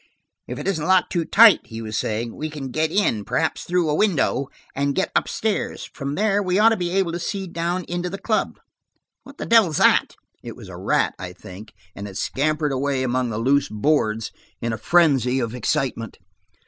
"If it isn't locked too tight," he was saying, "we can get in, perhaps through a window, and get upstairs. From there we ought to be able to see down into the club. What the devil's that?" It was a rat, I think, and it scrambled away among the loose boards in a frenzy of excitement.